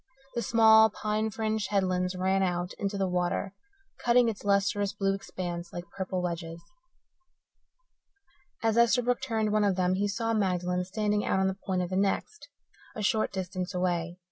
The small, pine fringed headlands ran out into the water, cutting its lustrous blue expanse like purple wedges. As Esterbrook turned one of them he saw Magdalen standing out on the point of the next, a short distance away.